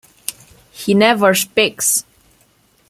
He never speaks.